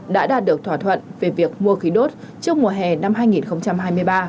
đã đạt được thỏa thuận về việc mua khí đốt trước mùa hè năm hai nghìn hai mươi ba